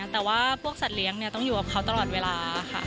แต่ว่าพวกสัตว์เลี้ยงต้องอยู่กับเขาตลอดเวลาค่ะ